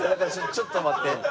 ちょっと待って。